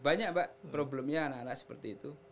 banyak pak problemnya anak anak seperti itu